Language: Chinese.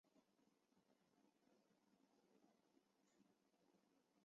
国际大学协会是一个基于联合国教科文组织而成立的世界性高等教育协会。